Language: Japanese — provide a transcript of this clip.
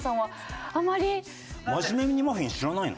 マジメニマフィン知らないの？